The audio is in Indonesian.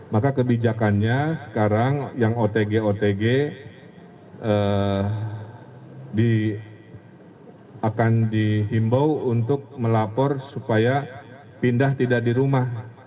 maka kebijakannya sekarang yang otg otg akan dihimbau untuk melapor supaya pindah tidak di rumah